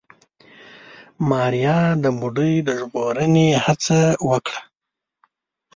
ماريا د بوډۍ د ژغورنې هڅه وکړه.